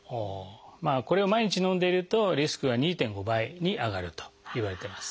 これを毎日飲んでいるとリスクが２．５倍に上がるといわれています。